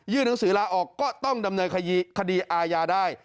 หนังสือลาออกก็ต้องดำเนินคดีอาญาได้